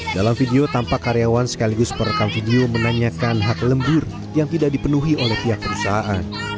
dalam video tampak karyawan sekaligus perekam video menanyakan hak lembur yang tidak dipenuhi oleh pihak perusahaan